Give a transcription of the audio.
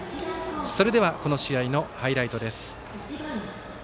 それではこの試合のハイライトです。